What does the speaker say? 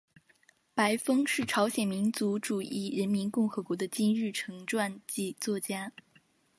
白峰是朝鲜民主主义人民共和国的金日成传记作家。